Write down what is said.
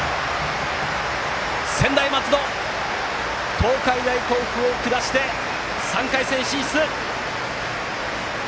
専大松戸、東海大甲府を下して３回戦進出！